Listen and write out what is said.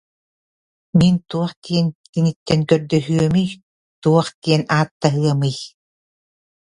Мин туох диэн киниттэн көрдөһүөмүй, туох диэн ааттаһыамый.